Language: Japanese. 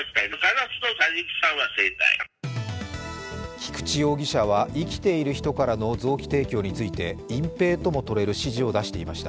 菊池容疑者は生きている人からの臓器提供について隠蔽ともとれる指示を出していました。